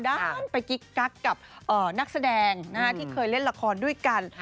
ดังไปกิ๊กกักับนักแสดงที่เคยเล่นลักษณ์ด้วยกัน